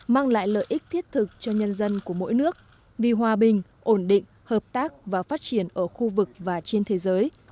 mang lại lợi ích thiết thực cho nhân dân của mỗi nước vì hòa bình ổn định hợp tác và phát triển ở khu vực và trên thế giới